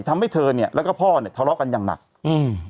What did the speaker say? ทำให้เธอเนี้ยแล้วก็พ่อเนี้ยทะเลาะกันอย่างหนักอืม